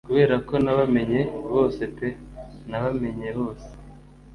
Kuberako nabamenye bose pe nabamenye bose: -